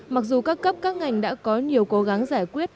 mặc dù các cấp các ngành đã có nhiều cố gắng giải quyết